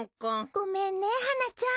ごめんねはなちゃん。